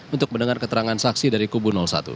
untuk mendengar keterangan saksi dari kubu satu